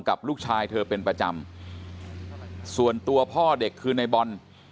กับลูกชายเธอเป็นประจำส่วนตัวพ่อเด็กคือในบอล